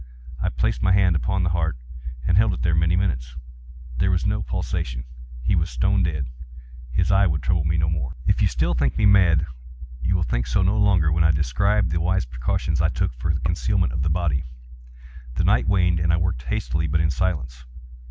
I placed my hand upon the heart and held it there many minutes. There was no pulsation. He was stone dead. His eye would trouble me no more. If still you think me mad, you will think so no longer when I describe the wise precautions I took for the concealment of the body. The night waned, and I worked hastily, but in silence.